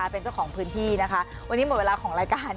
เป็นเจ้าของพื้นที่นะคะวันนี้หมดเวลาของรายการ